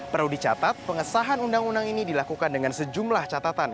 perlu dicatat pengesahan undang undang ini dilakukan dengan sejumlah catatan